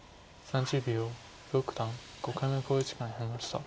蘇九段５回目の考慮時間に入りました。